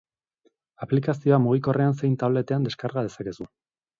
Aplikazioa mugikorrean zein tabletean deskarga dezakezu.